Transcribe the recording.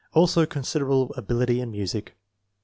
Also considerable ability in music.